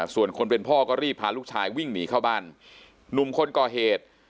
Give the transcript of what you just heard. ส่วนคนเป็นพ่อก็รีบพาลูกชายวิ่งหนีเข้าบ้านหนุ่มคนก่อเหตุ